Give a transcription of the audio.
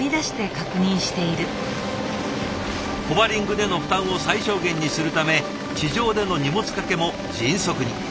ホバリングでの負担を最小限にするため地上での荷物掛けも迅速に。